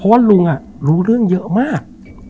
เพราะว่าลุงรู้เรื่องเยอะมาก